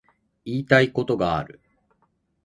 言いたいことがある